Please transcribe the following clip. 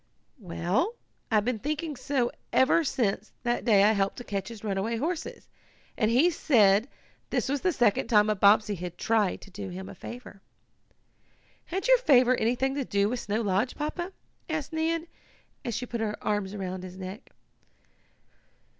"Well, I've been thinking so ever since that day I helped to catch his runaway horses, and he said this was the second time a Bobbsey had tried to do him a favor.'" "Had your favor anything to do with Snow Lodge, Papa?" asked Nan, as she put her arms about his neck.